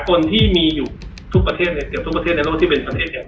คนที่มีอยู่ทุกประเทศเนี่ยเกือบทุกประเทศในโลกที่เป็นประเทศใหญ่